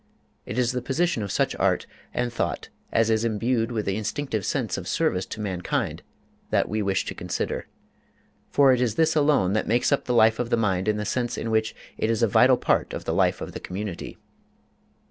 It is the position of such art and thought as is imbued with the instinctive sense of service to mankind that we wish to consider, for it is this alone that makes up the life of the mind in the sense in which it is a vital part of the life of the community.